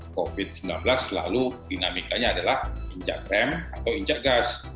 covid sembilan belas selalu dinamikanya adalah injak rem atau injak gas